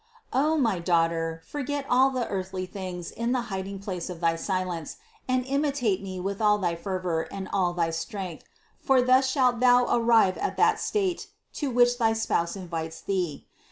O my daughter, forget all the earthly things in the hiding place of thy silence, and imitate me with all thy fervor and all thy strength; for thus shalt thou arrive at that state, to which thy Spouse invites thee.